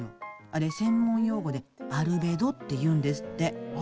あれ、専門用語でアルベドっていうんですって。